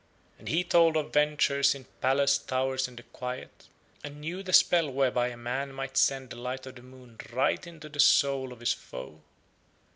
And he told of ventures in palace towers in the quiet, and knew the spell whereby a man might send the light of the moon right into the soul of his foe.